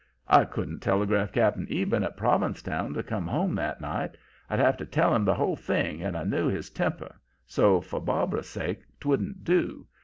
I couldn't telegraph Cap'n Eben at Provincetown to come home that night; I'd have to tell him the whole thing and I knew his temper, so, for Barbara's sake, 'twouldn't do.